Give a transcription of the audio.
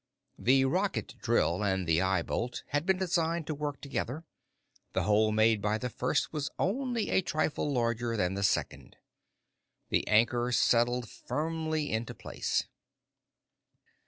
The rocket drill and the eye bolt had been designed to work together; the hole made by the first was only a trifle larger than the second. The anchor settled firmly into place.